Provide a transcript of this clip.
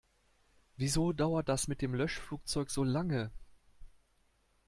Wieso dauert das mit dem Löschflugzeug so lange?